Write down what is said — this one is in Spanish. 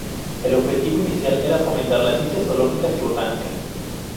El objetivo inicial era fomentar las ciencias zoológicas y botánicas.